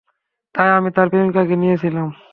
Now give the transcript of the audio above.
তাই আমি তার প্রেমিকাকে নিয়েছিলাম।